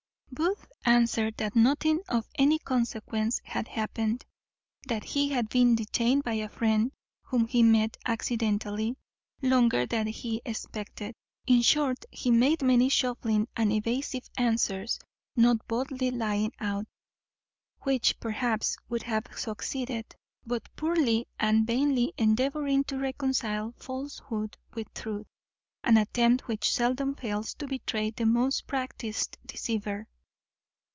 Booth answered that nothing of any consequence had happened; that he had been detained by a friend, whom he met accidently, longer than he expected. In short, he made many shuffling and evasive answers, not boldly lying out, which, perhaps, would have succeeded, but poorly and vainly endeavouring to reconcile falsehood with truth; an attempt which seldom fails to betray the most practised deceiver.